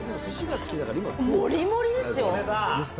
盛り盛りですよ。